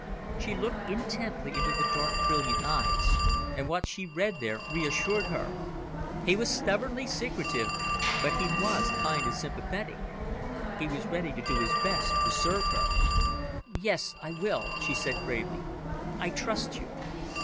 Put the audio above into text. She looked intently into the dark, brilliant eyes, and what she read there reassured her. He was stubbornly secretive, but he was kind and sympathetic. He was ready to do his best to serve her. "Yes, I will," she said bravely. "I trust you."